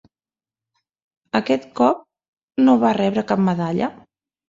Aquest cop, no va rebre cap medalla.